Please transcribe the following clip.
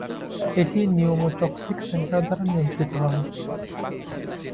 এটি pneumotaxic centre দ্বারা নিয়ন্ত্রিত হয়।